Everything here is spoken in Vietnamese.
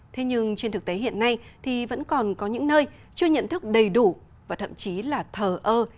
thế nhưng trên thực tế hiện nay thì vẫn còn có những nơi chưa nhận thức đầy đủ và thậm chí là thờ ơ